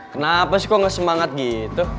kenapa sih kok gak semangat gitu